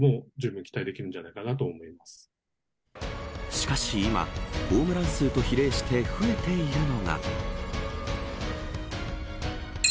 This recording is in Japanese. しかし今、ホームラン数と比例して増えているのが。